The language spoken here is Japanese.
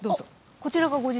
こちらがご自宅？